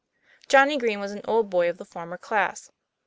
Johnny Green was an old boy of the former class.